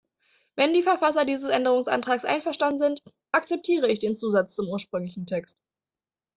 Wenn die Verfasser dieses Änderungsantrags einverstanden sind, akzeptiere ich den Zusatz zum ursprünglichen Text.